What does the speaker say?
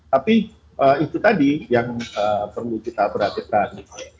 tapi itu tadi yang perlu kita perhatikan